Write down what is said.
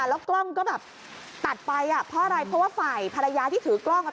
แล้วกล้องก็แบบตัดไปอ่ะเพราะอะไรเพราะว่าฝ่ายภรรยาที่ถือกล้องอ่ะ